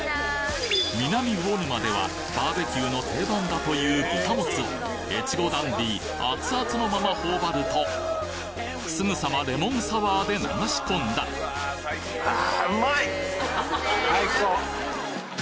南魚沼ではバーベキューの定番だという豚もつを越後ダンディー熱々のまま頬張るとすぐさまレモンサワーで流し込んだおお！